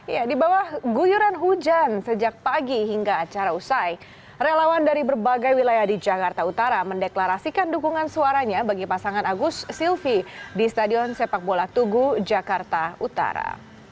ya di bawah guyuran hujan sejak pagi hingga acara usai relawan dari berbagai wilayah di jakarta utara mendeklarasikan dukungan suaranya bagi pasangan agus silvi di stadion sepak bola tugu jakarta utara